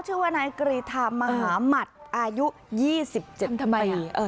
ชื่อว่านายกรีธามหมามัธอายุ๒๗ปี